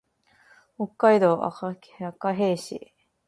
北海道赤平市